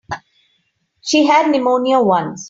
She had pneumonia once.